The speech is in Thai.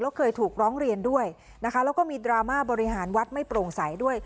แล้วเคยถูกร้องเรียนด้วยนะคะแล้วก็มีดราม่าบริหารวัดไม่โปร่งใสด้วย